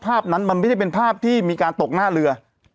ภาพนั้นมันไม่ได้เป็นภาพที่มีการตกหน้าเรือ